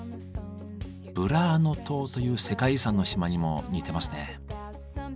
ブラーノ島という世界遺産の島にも似てますね。